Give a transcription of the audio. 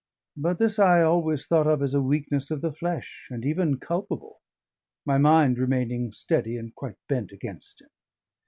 But this I always thought of as a weakness of the flesh, and even culpable; my mind remaining steady and quite bent against him.